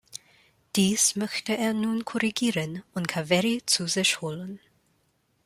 Dies möchte er nun korrigieren und Kaveri zu sich holen.